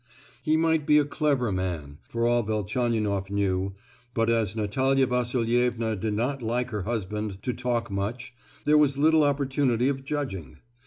He might be a clever man, for all Velchaninoff knew, but as Natalia Vasilievna did not like her husband to talk much, there was little opportunity of judging.